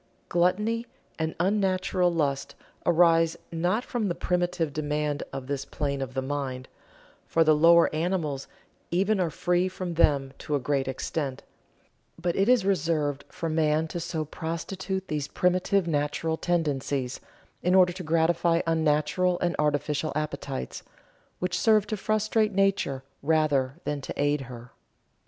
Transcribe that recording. Gluttony and unnatural lust arise not from the primitive demand of this plane of the mind for the lower animals even are free from them to a great extent but it is reserved for man to so prostitute these primitive natural tendencies, in order to gratify unnatural and artificial appetites, which serve to frustrate nature rather than to aid her.